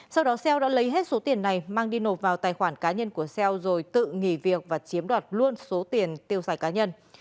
sau đó xeo đã lấy hết số tiền này mang đi nộp vào tài khoản cá nhân của xeo rồi tự nghỉ việc và chiếm đoạt luôn số tiền tiêu xài cá nhân